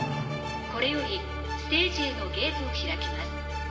これよりステージへのゲートを開きます。